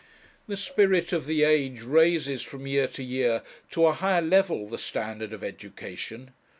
The spirit of the age raises, from year to year, to a higher level the standard of education.